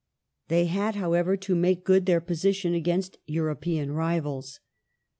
They had, however, to make good their position against Contest European rivals.